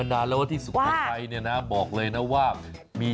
รู้แล้วบอกต่อนี่